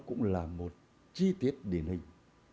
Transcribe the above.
cũng là một chi tiết điển hình